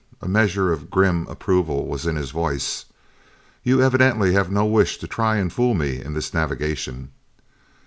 A measure of grim approval was in his voice. "You evidently have no wish to try and fool me in this navigation."